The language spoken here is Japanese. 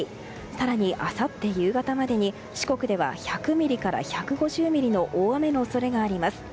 更にあさって夕方までに四国では１００ミリから１５０ミリの大雨の恐れがあります。